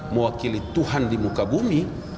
mewakili tuhan di muka bumi